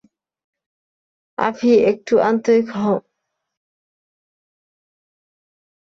আভি, একটু আন্তরিক হ্!